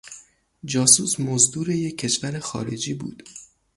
جاسوس مزدور یک کشور خارجی بود.